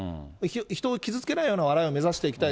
人を傷つけないような笑いを目指していきたい。